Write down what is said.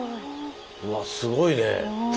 うわすごいね！